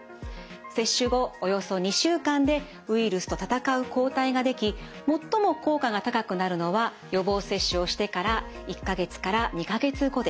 接種後およそ２週間でウイルスと闘う抗体ができ最も効果が高くなるのは予防接種をしてから１か月から２か月後です。